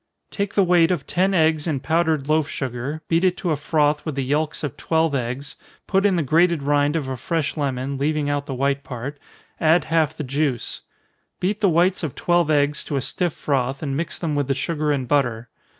_ Take the weight of ten eggs in powdered loaf sugar, beat it to a froth with the yelks of twelve eggs, put in the grated rind of a fresh lemon, leaving out the white part add half the juice. Beat the whites of twelve eggs to a stiff froth, and mix them with the sugar and butter.